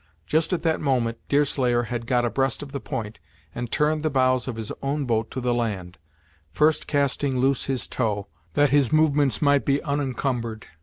Just at that moment, Deerslayer had got abreast of the point, and turned the bows of his own boat to the land; first casting loose his tow, that his movements might be unencumbered.